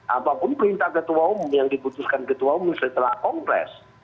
apapun perintah ketua umum yang diputuskan ketua umum setelah kongres